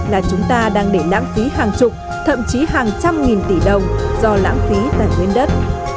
là chúng ta đang để lãng phí hàng chục thậm chí hàng trăm nghìn tỷ đồng do lãng phí tài nguyên đất